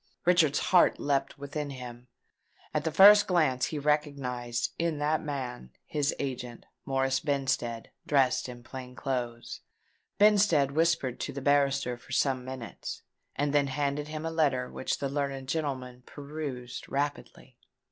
Richard's heart leapt within him: at the first glance he recognised, in that man, his agent, Morris Benstead, dressed in plain clothes. Benstead whispered to the barrister for some minutes, and then handed him a letter which the learned gentleman perused rapidly.